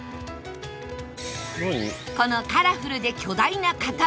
このカラフルで巨大な塊